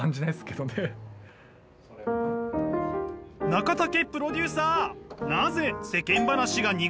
中武プロデューサー！